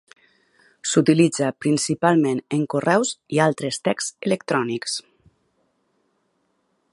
S'utilitza principalment en correus i altres texts electrònics.